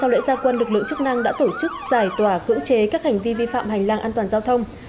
lượng chức năng đã tổ chức giải tỏa cữ chế các hành vi vi phạm hành lang an toàn giao thông